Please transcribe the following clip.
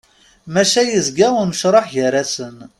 Maca yezga unecreḥ gar-asen.